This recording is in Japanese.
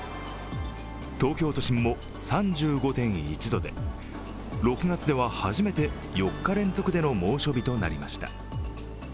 東京都心も３５．１度で６月では初めて４日連続での猛暑日となりました。